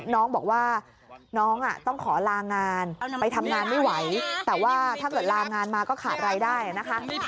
น้องบอกว่าน้องต้องขอลางานไปทำงานไม่ไหวแต่ว่าถ้าเกิดลางานมาก็ขาดรายได้นะคะ